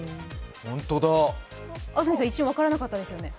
安住さん、一瞬分からなかったですよね？